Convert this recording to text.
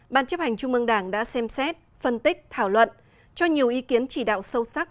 ban chấp hành trung mương đảng đã xem xét phân tích thảo luận cho nhiều ý kiến chỉ đạo sâu sắc